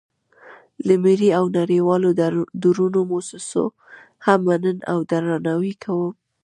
له ملي او نړیوالو درنو موسسو هم مننه او درناوی کوم.